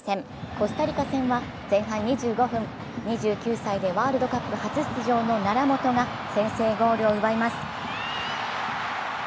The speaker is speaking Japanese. コスタリカ戦は前半２５分、２９歳でワールドカップ初出場の猶本が先制ゴールを奪います。